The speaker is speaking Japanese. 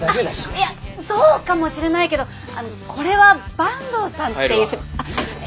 いやそうかもしれないけどこれは坂東さんっていう。